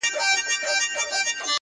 o خداى ته مرض کم نه دئ، مريض ته بانه.